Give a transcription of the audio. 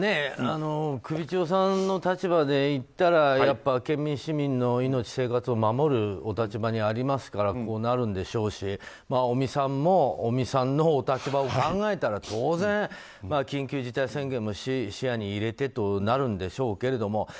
首長さんの立場で言ったらやっぱり県民、市民の命生活を守るお立場にありますからこうなるんでしょうし尾身さんも尾身さんのお立場を考えたら当然、緊急事態宣言も視野に入れてとなるんでしょうけれども